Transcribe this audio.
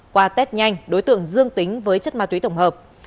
qua test nhanh đối tượng dương tính với chất ma túy tổng hợp